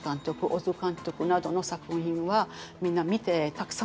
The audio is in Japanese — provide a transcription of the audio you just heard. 小津監督などの作品はみんな見てたくさん学んでます。